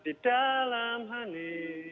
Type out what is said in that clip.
di dalam hati